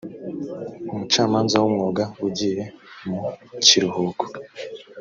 umucamanza w umwuga ugiye mu kiruhuko